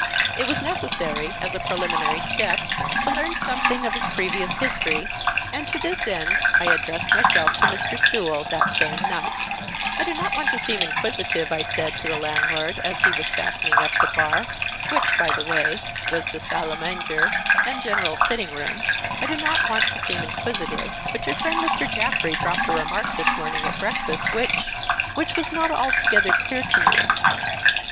It was necessary, as a preliminary step, to learn something of his previous history, and to this end I addressed myself to Mr. Sewell that same night, "I do not want to seem inquisitive," I said to the landlord, as he was fastening up the bar, which, by the way, was the salle à manger and general sitting room "I do not want to seem inquisitive, but your friend Mr. Jaffrey dropped a remark this morning at breakfast which which was not altogether clear to me."